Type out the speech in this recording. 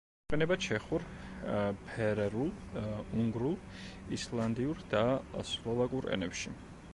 გამოიყენება ჩეხურ, ფარერულ, უნგრულ, ისლანდიურ და სლოვაკურ ენებში.